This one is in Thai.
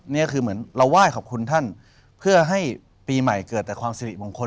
นี่คือเหมือนเราไหว้ขอบคุณท่านเพื่อให้ปีใหม่เกิดแต่ความสิริมงคล